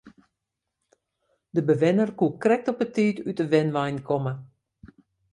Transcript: De bewenner koe krekt op 'e tiid út de wenwein komme.